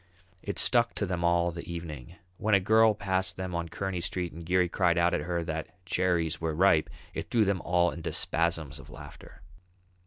It stuck to them all the evening; when a girl passed them on Kearney Street and Geary cried out at her that "Cherries were ripe!" it threw them all into spasms of laughter.